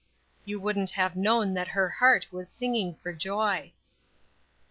You wouldn't have known that her heart was singing for joy.